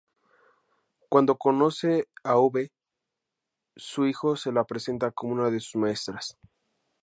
Cuando conoce a Uve su hijo se la presenta como una de sus maestras.